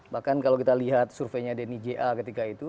bahkan kalau kita lihat surveinya denny ja ketika itu